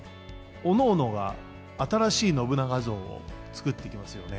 おのおのが新しい信長像を作っていきますよね。